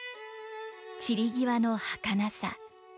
散り際のはかなさ。